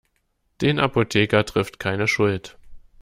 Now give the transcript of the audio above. Den Apotheker trifft keine Schuld.